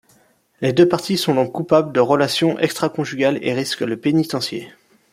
Les deux parties sont donc coupables de relations extraconjugales et risquent le pénitencier.